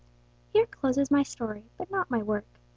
Here closes my story, but not my work.